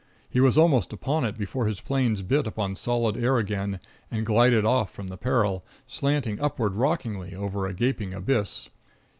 He was almost upon it before his planes bit upon solid air again and glided off from the peril, slanting upward rockingly over a gaping abyss.